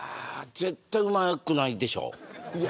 絶対うまくないでしょう。